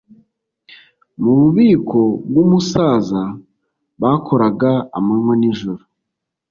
Mu bubiko bwumusaza bakoraga amanywa n'ijoro